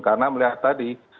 karena melihat tadi